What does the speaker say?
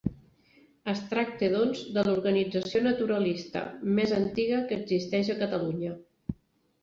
Es tracta, doncs, de l'organització naturalista més antiga que existeix a Catalunya.